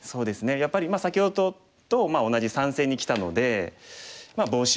やっぱり先ほどと同じ３線にきたのでボウシをする。